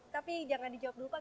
tapi jangan dijawab dulu pak